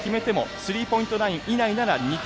スリーポイントライン以内なら２点。